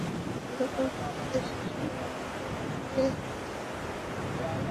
গতকাল দুপুরে শিশু ওয়ার্ডে গিয়ে দেখা যায়, দুটি বাতি জ্বললেও পাখা বন্ধ রয়েছে।